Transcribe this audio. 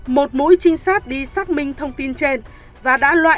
một mũi trinh sát đi xác minh thông tin trên và đã lộn xác